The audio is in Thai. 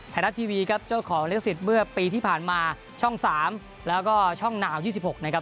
ไทยรัฐทีวีครับเจ้าของลิขสิทธิ์เมื่อปีที่ผ่านมาช่อง๓แล้วก็ช่องหนาว๒๖นะครับ